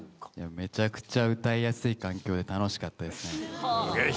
めちゃくちゃ歌いやすい環境で楽しかったですね。